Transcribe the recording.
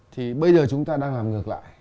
thì bây giờ chúng ta đang làm ngược lại